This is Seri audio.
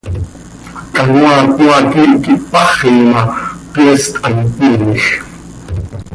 Canoaa cmaa quiih quih tpaxi ma, pyeest hant cömiij.